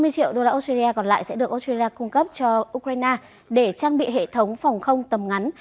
năm mươi triệu đô la australia còn lại sẽ được australia cung cấp cho ukraine để trang bị hệ thống phòng không tầm ngắn